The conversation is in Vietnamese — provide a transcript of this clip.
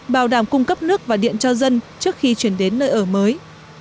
bảo đảm cung cấp nước và điện cho dân trước khi chuyển đến nơi ở mới